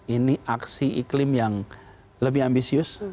ini aksi iklim yang lebih ambisius